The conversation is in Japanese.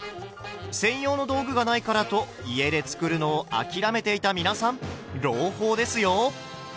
専用の道具がないからと家で作るのを諦めていた皆さん朗報ですよ！